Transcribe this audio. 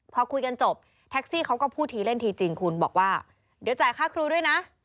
พอคุยกันจบแท็กซี่เขาก็พูดทีเล่นทีจริงคุณบอกว่าเดี๋ยวจ่ายค่าครูด้วยนะ